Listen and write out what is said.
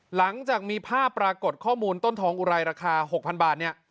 หลังจากมีภาพปรากฏข้อมูลต้นทองอุไรราคา๖๐๐๐บาทเนี่ย